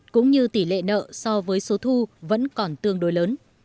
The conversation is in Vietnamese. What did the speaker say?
cũng như tỷ lệ nợ so với số thu vẫn còn tương đối lớn